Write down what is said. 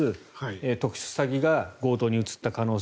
特殊詐欺が強盗に移った可能性